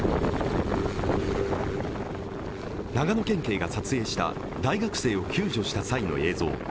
長野県警が撮影した大学生を救助した際の映像。